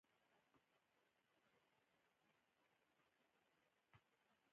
اکبر جان ور غږ کړل: دا غلاګانې تر هغه وخته وي.